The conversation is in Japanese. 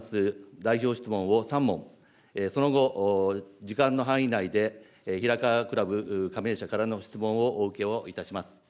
代表質問を３問、その後、時間の範囲内で、ひらかわくらぶ加盟社からの質問をお受けをいたします。